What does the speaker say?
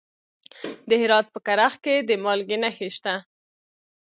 د هرات په کرخ کې د مالګې نښې شته.